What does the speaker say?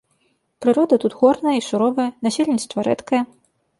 Прырода тут горная і суровая, насельніцтва рэдкае.